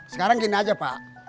sekarang gini aja pak